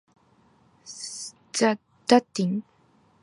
The dating of "Jubilees" has been problematic for biblical scholars.